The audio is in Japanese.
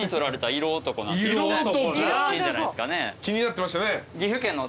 色おとこ気になってましたね。